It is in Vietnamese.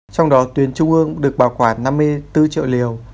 trong đó tuyến trung ương được bảo quản năm mươi bốn triệu liều